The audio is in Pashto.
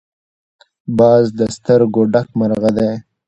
باز له سترګو ډک مرغه دی